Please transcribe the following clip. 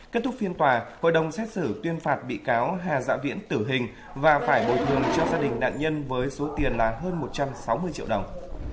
kết thúc phiên tòa hội đồng xét xử tuyên phạt bị cáo hà giã viễn tử hình và phải bồi thường cho gia đình nạn nhân với số tiền là hơn một trăm sáu mươi triệu đồng